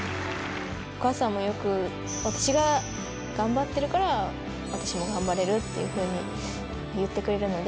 お母さんもよく「私が頑張ってるから私も頑張れる」っていうふうに言ってくれるので。